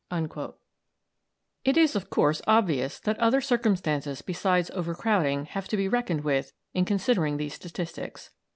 " It is, of course, obvious that other circumstances besides overcrowding have to be reckoned with in considering these statistics.